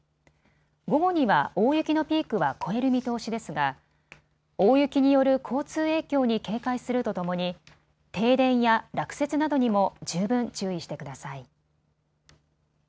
午後には大雪のピークは越える見通しですが大雪による交通影響に警戒するとともに停電や落雪などにも十分注意してください。